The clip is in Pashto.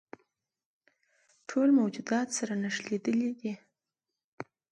ټول موجودات سره نښلیدلي دي.